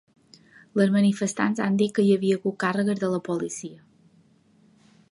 Les manifestants han dit que hi havia hagut càrregues de la policia.